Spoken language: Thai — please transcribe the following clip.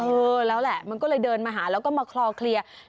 เออแล้วแหละมันก็เลยเดินมาหาแล้วก็มาคลอเคลียร์